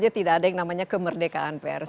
ya tidak ada yang namanya kemerdekaan pers